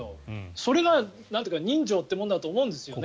それがなんというか人情というものだと思うんですよね。